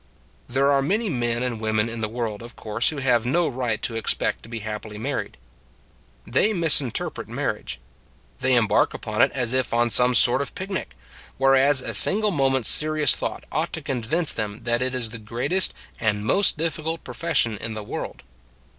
There are many men and women in the world, of course, who have no right to ex pect to be happily married. They misinterpret marriage. They em bark upon it as if on some sort of picnic; whereas a single moment s serious thought ought to convince them that it is the great est and most difficult profession in the world.